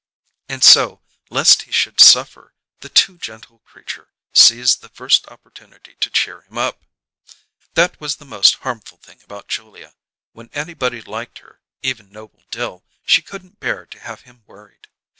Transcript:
And so, lest he should suffer, the too gentle creature seized the first opportunity to cheer him up. That was the most harmful thing about Julia; when anybody liked her even Noble Dill she couldn't bear to have him worried.